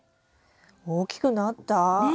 大きくなった！ね！